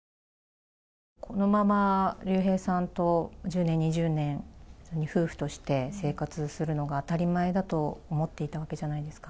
このまま竜兵さんと１０年、２０年、夫婦として生活するのが当たり前だと思っていたわけじゃないですか。